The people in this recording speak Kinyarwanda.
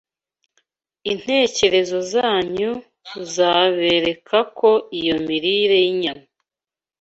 intekerezo zanyu zabereka ko iyo mirire y’inyama